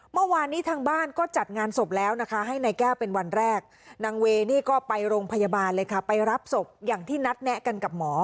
เมื่อวานนี้ทางบ้านก็จัดงานศพแล้วนะคะให้นายแก้วเป็นวันแรกนางเวนี่ก็ไปโรงพยาบาลเลยค่ะไปรับศพอย่างที่นัดแนะกันกับหมอ